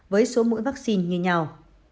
với số mũi vaccine như nhau